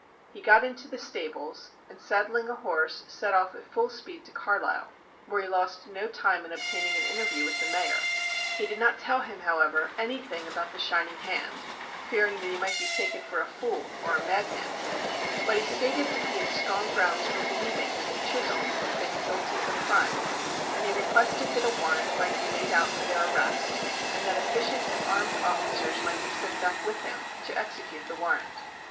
He got into the stables, and, saddling a horse, set off at full speed to Carlisle, where he lost no time in obtaining an interview with the Mayor. He did not tell him, however, anything about the shining hand, fearing that he might be taken for a fool or a madman. But he stated that he had strong grounds for believing that the Chisholms had been guilty of a crime, and he requested that a warrant might be made out for their arrest, and that efficient and armed officers might be sent back with him to execute the warrant.